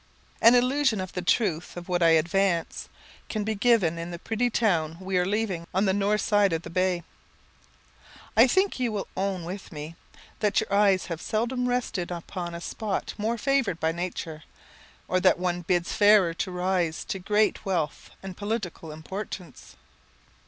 An illustration of the truth of what I advance, can be given in the pretty town we are leaving on the north side of the bay. I think you will own with me that your eyes have seldom rested upon a spot more favoured by Nature, or one that bids fairer to rise to great wealth and political importance.